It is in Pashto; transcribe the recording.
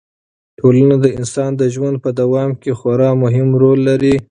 ټولنه د انسان د ژوند په دوام کې خورا مهم رول لري.